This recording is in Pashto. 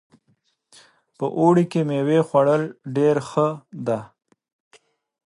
په اوړي کې میوې خوړل ډېر ښه ده